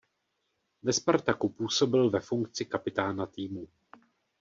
Ve Spartaku působil ve funkci kapitána týmu.